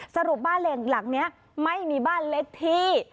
สรุปบ้านเหล่งหลังนี้ไม่มีบ้านเล็กที่